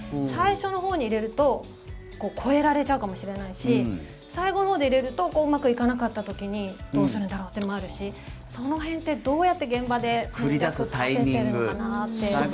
最初のほうに入れると超えられちゃうかもしれないし最後のほうで入れるとうまくいかなかった時にどうするんだろうというのもあるしその辺ってどうやって現場で戦略を立ててるのかなって。